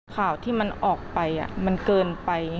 ข่าวที่มันออกไปมันเกินไป